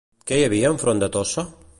Què hi havia enfront de Tossa?